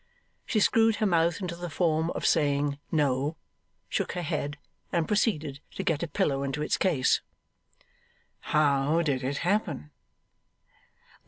She screwed her mouth into the form of saying 'No,' shook her head, and proceeded to get a pillow into its case. 'How did it happen?